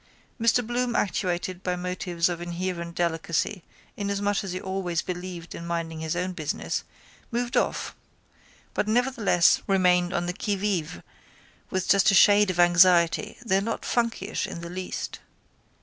Mr Bloom actuated by motives of inherent delicacy inasmuch as he always believed in minding his own business moved off but nevertheless remained on the qui vive with just a shade of anxiety though not funkyish in the least.